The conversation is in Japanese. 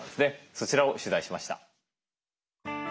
そちらを取材しました。